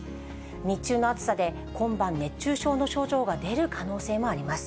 日中の暑さで、今晩、熱中症の症状が出る可能性もあります。